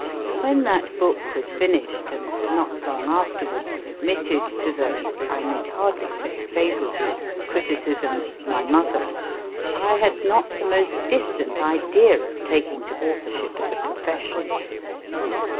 When that book was finished, and, not long afterwards, submitted to the I need hardly say favourable criticism of my mother, I had not the most distant idea of taking to authorship as a profession.